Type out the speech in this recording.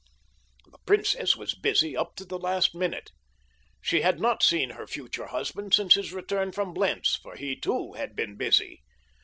The princess was busy up to the last minute. She had not seen her future husband since his return from Blentz, for he, too, had been busy.